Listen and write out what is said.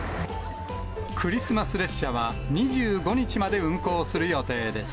クリスマス列車は２５日まで運行する予定です。